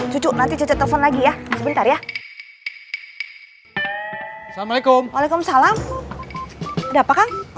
cuk nanti cetel phone lagi ya sebentar ya assalamualaikum waalaikumsalam ada apa kang